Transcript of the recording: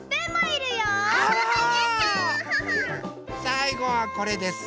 さいごはこれです。